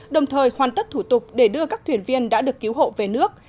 đồng thời hoàn tất thủ tục để đưa các thuyền viên đã được cứu hộ về nước